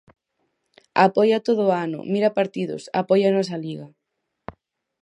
Apoia todo o ano, mira partidos, apoia á nosa Liga.